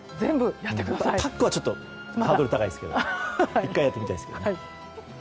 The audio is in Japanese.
パックはちょっとハードル高いですけど１回やってみたいです。